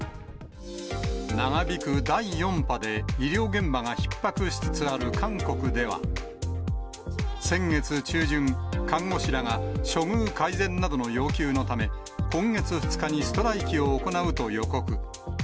長引く第４波で、医療現場がひっ迫しつつある韓国では、先月中旬、看護師らが処遇改善などの要求のため、今月２日にストライキを行うと予告。